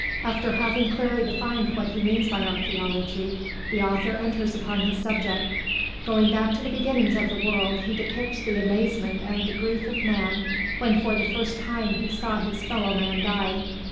After having clearly defined what he means by archæology, the author enters upon his subject. Going back to the beginnings of the world, he depicts the amazement and the grief of man when for the first time he saw his fellow man die.